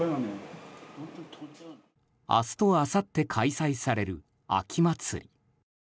明日とあさって開催される秋祭り。